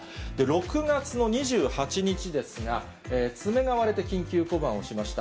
６月の２８日ですが、爪が割れて、緊急降板をしました。